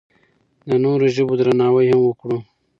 د نورو ژبو درناوی هم وکړو.